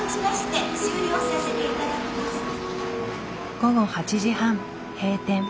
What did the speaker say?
午後８時半閉店。